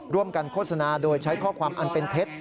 โฆษณาโดยใช้ข้อความอันเป็นเท็จ